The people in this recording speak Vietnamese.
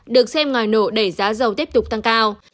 được xem ngòi nổ đẩy giá dầu tiếp tục tăng cao